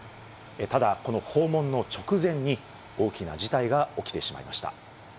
ただこの訪問の直前に、大きな事態が起きてしまいました。